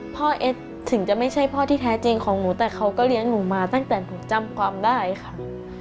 เอสถึงจะไม่ใช่พ่อที่แท้จริงของหนูแต่เขาก็เลี้ยงหนูมาตั้งแต่หนูจำความได้ค่ะ